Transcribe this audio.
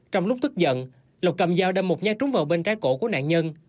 trong lúc tức giận lộc cầm dao đâm một nhát trúng vào bên trái cổ của nạn nhân